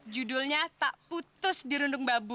judulnya tak putus di rundung babu